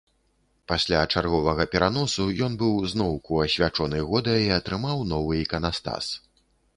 Пасля чарговага пераносу, ён быў зноўку асвячоны года і атрымаў новы іканастас.